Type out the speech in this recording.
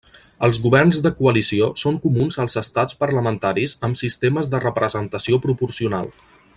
Els governs de coalició són comuns als Estats parlamentaris amb sistemes de representació proporcional.